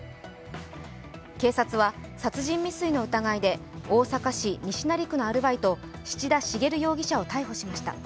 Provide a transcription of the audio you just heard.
警察は殺人未遂の疑いで大阪市西成区のアルバイト、七田茂容疑者を逮捕しました。